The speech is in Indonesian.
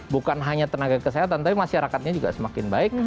bukan hanya tenaga kesehatan tapi masyarakatnya juga semakin baik